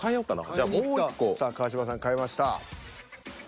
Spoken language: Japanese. じゃもう１個。さあ川島さん変えました。